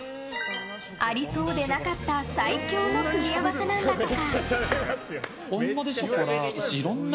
ありそうでなかった最強の組み合わせなんだとか。